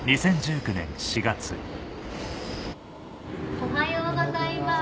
おはようございます。